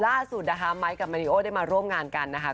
ล่าสุดนะคะไม้กับมาริโอได้มาร่วมงานกันนะคะ